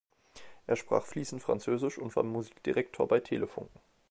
Er sprach fließend Französisch und war Musikdirektor bei Telefunken.